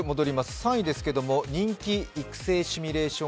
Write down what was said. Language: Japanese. ３位人気育成シミュレーション